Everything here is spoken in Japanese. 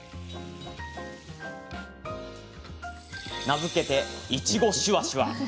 名付けていちごしゅわしゅわ。